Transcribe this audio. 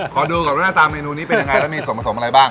ขอดูก่อนว่าหน้าตาเมนูนี้เป็นยังไงแล้วมีส่วนผสมอะไรบ้าง